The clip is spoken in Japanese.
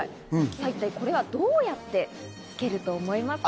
これはどうやってつけると思いますか？